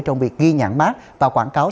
trong việc ghi nhãn mát và quảng cáo